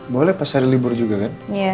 boleh pas hari libur juga kan